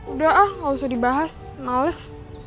udah ah gak usah dibahas males